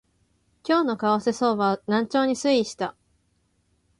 今日の為替相場は軟調に推移した